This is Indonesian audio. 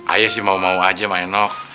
ayo sih mau mau aja mak enok